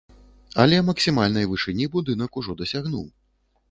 Але максімальнай вышыні будынак ужо дасягнуў.